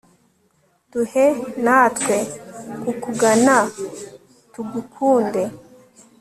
duhe natwe kukugana, tugukunde